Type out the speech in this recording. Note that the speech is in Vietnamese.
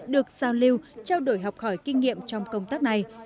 được giao lưu trao đổi học hỏi kinh nghiệm trong công tác này